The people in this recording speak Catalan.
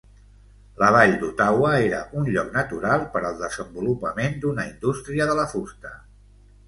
La vall d'Ottawa era un lloc natural per al desenvolupament d'una indústria de la fusta.